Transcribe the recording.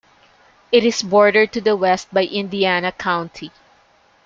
It is bordered to the west by Indiana County.